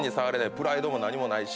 プライドも何もないし。